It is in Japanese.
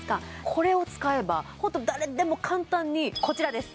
これを使えばホント誰でも簡単にこちらです